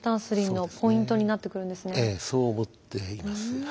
そう思っています。